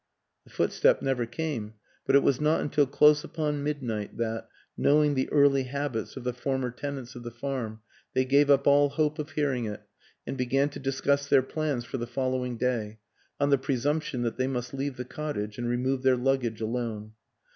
The footstep never came ; but it was not until close upon midnight that knowing the early habits of the former tenants of the farm they gave up all hope of hearing it and began to discuss their plans for the following day, on the presumption that they must leave the cottage and remove their alone.